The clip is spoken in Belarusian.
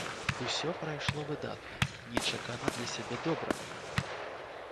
Усё прайшло выдатна, нечакана для сябе добра.